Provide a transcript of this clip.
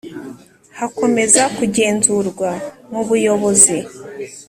bakomeza kugenzurwa mubuyobozi.